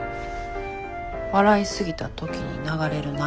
笑い過ぎた時に流れる涙